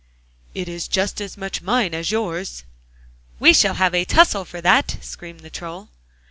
'It is just as much mine as yours!' 'We shall have a tussle for that!' screamed the Troll.